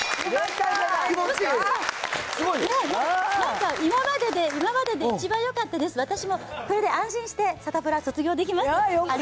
気持ちいいなんか今までで、今までで一番よかったです、私もこれで安心してサタプラ卒業できます。